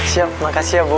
siap makasih ya bu